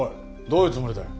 どういうつもりだよ？